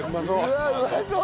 うわあうまそう。